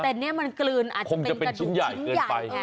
แต่เนี่ยมันกลืนอาจจะเป็นกระดูกชิ้นใหญ่